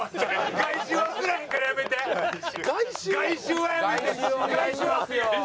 外周お願いしますよ。